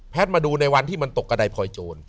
มาดูในวันที่มันตกกระดายพลอยโจร